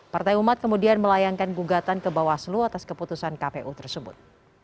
partai umat kemudian melayangkan gugatan ke bawaslu atas keputusan kpu tersebut